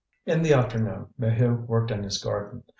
In the afternoon, Maheu worked in his garden.